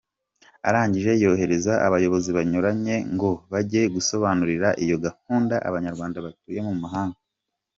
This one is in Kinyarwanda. Arangije yohereza abayobozi banyuranye ngo bajye gusobanurira iyo gahunda Abanyarwanda batuye mu mahanga.